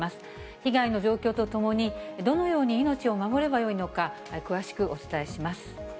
被害の状況とともに、どのように命を守ればよいのか、詳しくお伝えします。